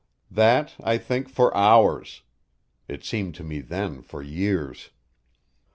That, I think, for hours; it seemed to me then for years.